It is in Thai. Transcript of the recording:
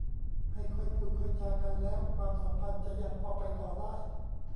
ให้ค่อยพูดค่อยจากันแล้วความสัมพันธ์จะยังพอไปต่อได้